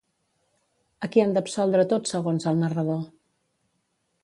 A qui han d'absoldre tots segons el narrador?